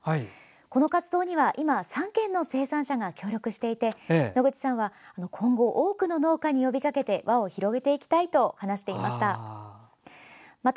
この活動には今３軒の生産者が協力していて野口さんは今後、多くの農家に呼びかけて輪を広げていきたいと話していました。